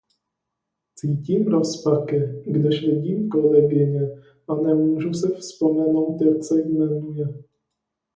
Cítím rozpaky když vidím kolegyni a nemůžu si vzpomenout jak se jmenuje.